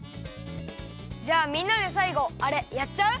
じゃあみんなでさいごあれやっちゃう！？